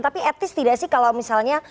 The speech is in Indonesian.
tapi at least tidak sih kalau misalnya